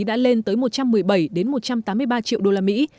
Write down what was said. ô nhiễm không khí đã lên tới một trăm một mươi bảy một trăm tám mươi ba triệu đô la mỹ